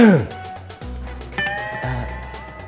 karena telah menemukan tempat